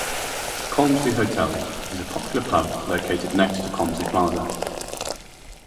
The Colmslie Hotel is a popular pub located next to Colmslie Plaza.